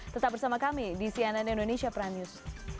tetap bersama kami di cnn indonesia prime news